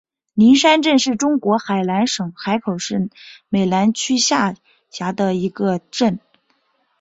灵山镇是中国海南省海口市美兰区下辖的一个镇。